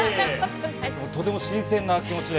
とても新鮮な気持ちで。